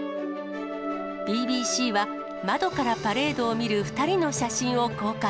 ＢＢＣは、窓からパレードを見る２人の写真を公開。